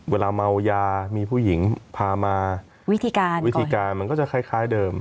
เวลาเมายามีผู้หญิงพามาวิธีการวิธีการมันก็จะคล้ายเดิม